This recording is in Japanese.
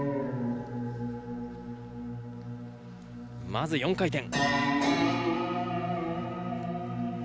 まず４回転。